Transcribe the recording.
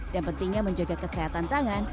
dan pentingnya menjaga kesehatan tangan